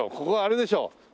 ここはあれでしょ。